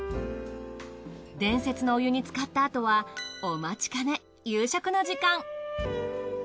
伝説のお湯につかったあとはお待ちかね夕食の時間。